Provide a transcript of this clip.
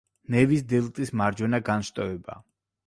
ნევის დელტის მარჯვენა განშტოება.